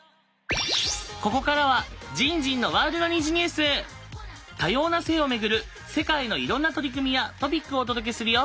ここからは多様な性を巡る世界のいろんな取り組みやトピックをお届けするよ。